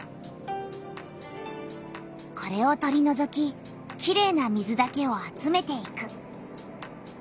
これを取りのぞききれいな水だけを集めていく。